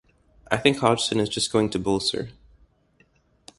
I think Hodgson is just going to bowl, sir.